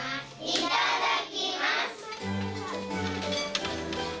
いただきます。